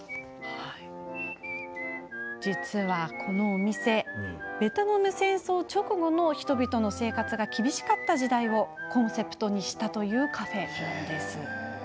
実は、このお店ベトナム戦争直後の人々の生活が厳しかった時代をコンセプトにしたカフェなんです。